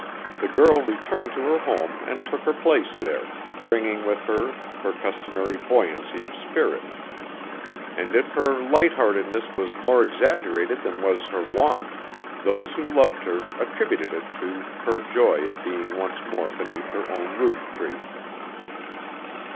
The girl returned to her home and took her place there, bringing with her her customary buoyancy of spirit; and if her light heartedness was more exaggerated than was her wont, those who loved her attributed it to her joy at being once more beneath her own roof tree.